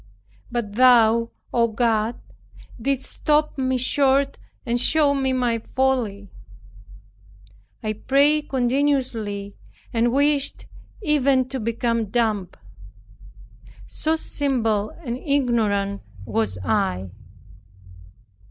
But Thou, O God, didst stop me short and showed me my folly. I prayed continually, and wished even to become dumb, so simple and ignorant was I.